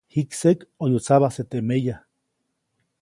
Jikseʼk ʼoyu tsabajse teʼ meya.